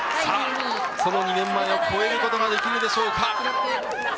その２年前を超えることができるでしょうか。